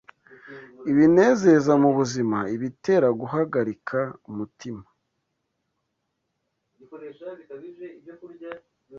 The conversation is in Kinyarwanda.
ibinezeza mu buzima, ibitera guhagarika umutima